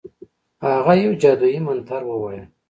هغه یو جادویي منتر ووایه.